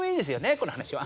この話は。